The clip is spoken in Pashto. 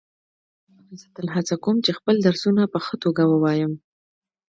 زه تل هڅه کوم چي خپل درسونه په ښه توګه ووایم.